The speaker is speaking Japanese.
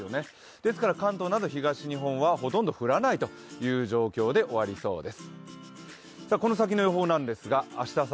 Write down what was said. ですから関東など東日本はほとんど降らない状況で終わりそうです。